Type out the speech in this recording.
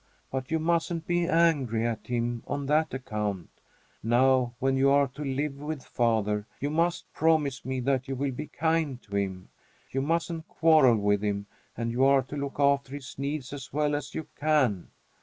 But you mustn't be angry at him on that account. Now, when you are to live with father, you must promise me that you will be kind to him. You mustn't quarrel with him and you are to look after his needs as well as you can.